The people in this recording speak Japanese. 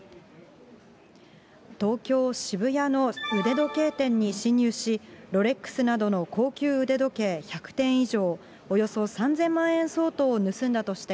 東京・渋谷の腕時計店に侵入し、ロレックスなどの高級腕時計１００点以上、およそ３０００万円相当を盗んだとして、